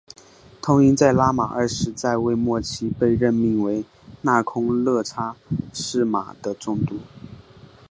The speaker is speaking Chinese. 通因在拉玛二世在位末期被任命为那空叻差是玛的总督。